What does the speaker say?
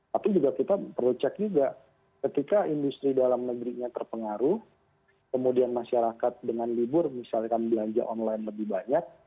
tapi juga kita perlu cek juga ketika industri dalam negerinya terpengaruh kemudian masyarakat dengan libur misalkan belanja online lebih banyak